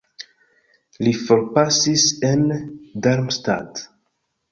Li forpasis en Darmstadt.